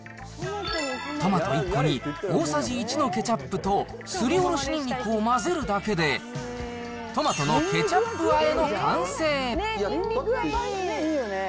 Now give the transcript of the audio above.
トマト１個に大さじ１のケチャップとすりおろしにんにくを混ぜるだけで、トマトのケチャップあえの完成。